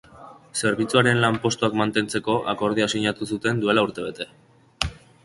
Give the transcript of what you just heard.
Zerbitzuaren lanpostuak mantentzeko akordioa sinatu zuten duela urtebete.